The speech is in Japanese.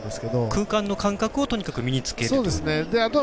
空間の感覚をとにかく身につけると。